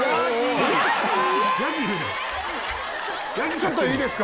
ちょっといいですか？